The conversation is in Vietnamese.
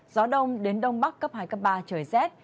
gió đông đến đông bắc cấp hai cấp ba trời rét